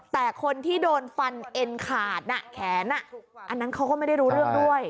แต่คนที่โดนฟันเอ็นขาดแขนอันนั้นเขาก็ไม่ได้รู้เรื่องด้วย